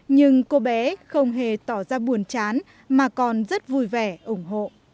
nhưng cô bé không hề tỏ ra buồn chán mà còn rất vui vẻ ủng hộ